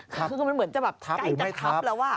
คือมันเหมือนจะแบบใกล้จะทับแล้ว